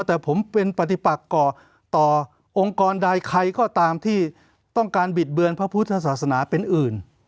แต่ผมเป็นปฏิปักก่อต่อองค์กรใดใครก็ตามที่ต้องการบิดเบือนพระพุทธศาสนาเป็นอื่น